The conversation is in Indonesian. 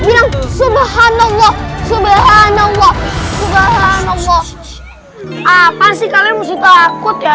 yang subhanallah subhanallah subhanallah subhanallah apa sih kalian masih takut ya